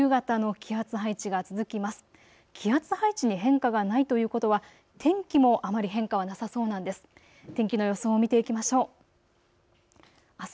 気圧配置に変化がないということは天気もあまり変化はなさそうなんです。